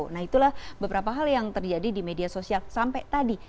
nah itulah beberapa hal yang terjadi di media sosial sampai tadi